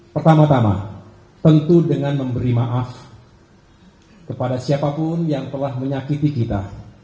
pertama tama tentu dengan memberi maaf kepada siapapun yang telah menyakiti kita